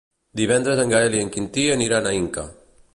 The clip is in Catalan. Divendres en Gaël i en Quintí aniran a Inca.